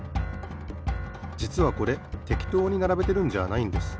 じつはこれてきとうにならべてるんじゃないんです。